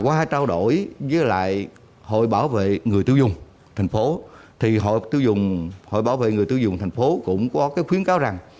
qua trao đổi với lại hội bảo vệ người tiêu dùng thành phố thì hội bảo vệ người tiêu dùng thành phố cũng có cái khuyến cáo rằng